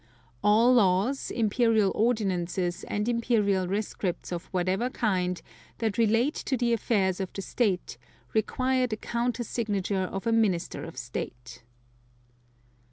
(2) All Laws, Imperial Ordinances, and Imperial Rescripts of whatever kind, that relate to the affairs of the state, require the countersignature of a Minister of State.